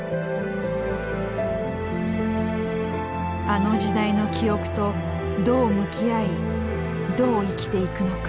あの時代の記憶とどう向き合いどう生きていくのか。